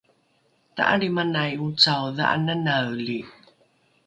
ta’alrimanai ocao dha’ananaeli